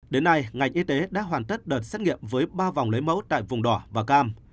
đến nay ngành y tế đã hoàn tất đợt xét nghiệm với ba vòng lấy mẫu tại vùng đỏ và cam